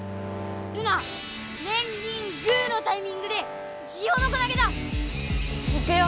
ルナねんリングーのタイミングでジオノコなげだ！いくよ！